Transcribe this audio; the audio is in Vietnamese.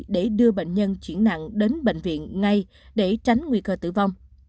để đưa bệnh nhân chuyển nặng đến bệnh viện ngay để tránh nguy cơ tử vong